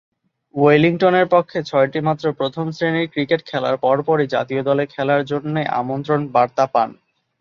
ওয়েলিংটনের পক্ষে ছয়টিমাত্র প্রথম-শ্রেণীর ক্রিকেট খেলার পরপরই জাতীয় দলে খেলার জন্যে আমন্ত্রণ বার্তা পান।